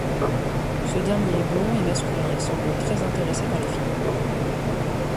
Ce dernier est blond et masculin et semble très intéressé par les filles.